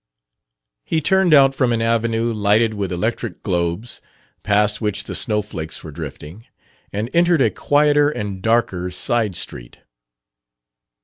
He turned out from an avenue lighted with electric globes, past which the snowflakes were drifting, and entered a quieter and darker side street.